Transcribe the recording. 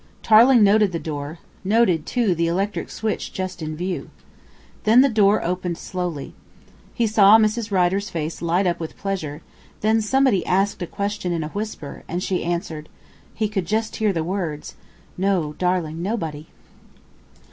Tarling noted the door noted, too the electric switch just in view. Then the door opened slowly. He saw Mrs. Rider's face light up with pleasure, then somebody asked a question in a whisper, and she answered he could just hear her words: "No darling, nobody."